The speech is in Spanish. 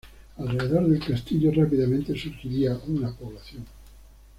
Alrededor del castillo, rápidamente surgiría una población.